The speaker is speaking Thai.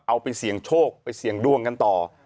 เอาไปเสี่ยงโชคไปเสี่ยงดวงกันต่อ